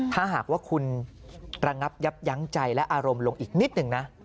ถ้าหากว่าคุณระงับยับยั้งใจและอารมณ์ลงอีกนิดนึงนะ